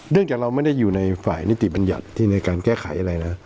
จากเราไม่ได้อยู่ในฝ่ายนิติบัญญัติที่ในการแก้ไขอะไรนะ